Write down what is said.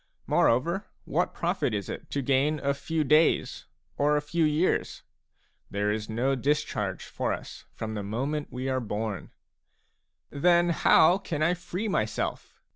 Moreover, what profit is it to gain a few days or a few years ? There is no discharge for us from the moment we are born. "Then how can I free myself?"